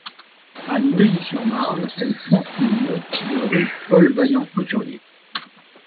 À Neuilly-sur-Marne, elle prend le nom de rue Paul-Vaillant-Couturier.